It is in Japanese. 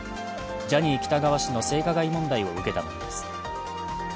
ジャニー喜多川氏の性加害問題を受けたものです。